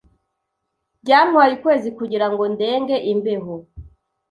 Byantwaye ukwezi kugira ngo ndenge imbeho.